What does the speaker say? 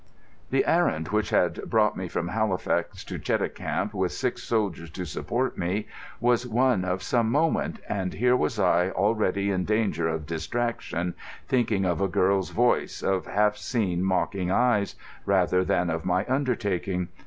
The errand which had brought me from Halifax to Cheticamp, with six soldiers to support me, was one of some moment, and here was I already in danger of distraction, thinking of a girl's voice, of half seen, mocking eyes, rather than of my undertaking.